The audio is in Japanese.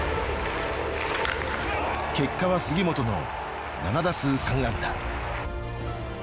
結果は杉本の７打数３安打。